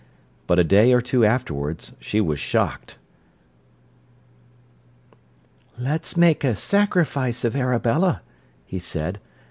But a day or two afterwards she was shocked. "Let's make a sacrifice of Arabella," he said.